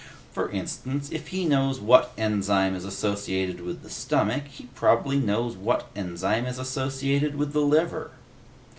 For instance, if he knows what enzyme is associated with the stomach, he probably knows what enzyme is associated with the liver."